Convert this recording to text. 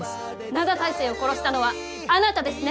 灘大聖を殺したのはあなたですね？